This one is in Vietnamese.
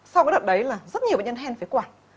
sau cái đợt đấy là rất nhiều bệnh nhân hen phế quản